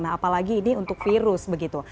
nah apalagi ini untuk virus begitu